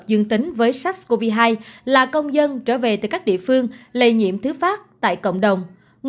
dương tính với sars cov hai là công dân trở về từ các địa phương lây nhiễm thứ phát tại cộng đồng